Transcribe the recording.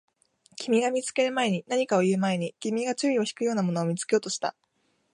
君が見つける前に、何かを言う前に、君の注意を引くようなものを見つけようとした